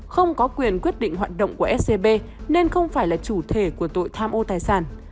không có quyền quyết định hoạt động của scb nên không phải là chủ thể của tội tham ô tài sản